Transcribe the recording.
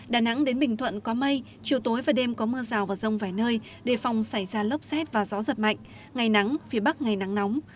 đà nẵng đến bình thuận có mây chiều tối và đêm có mưa rào và rông vài nơi đề phòng xảy ra lốc xét và gió giật mạnh ngày nắng phía bắc ngày nắng nóng